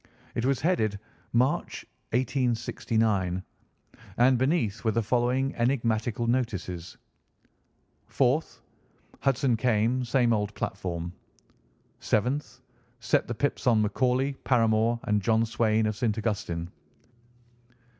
It was headed, "March, 1869," and beneath were the following enigmatical notices: "4th. Hudson came. Same old platform. "7th. Set the pips on McCauley, Paramore, and John Swain of St. Augustine.